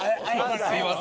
すみません。